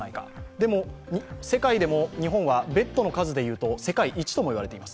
でも、世界でも日本はベッドの数でいうと世界一ともいわれています。